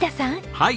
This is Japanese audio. はい。